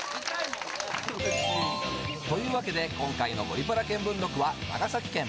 というわけで今回の「ゴリパラ見聞録」は長崎県。